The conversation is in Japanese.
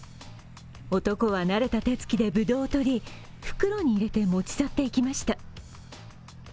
男は慣れた手つきでブドウをとり、袋に入れて持ち去っていきました。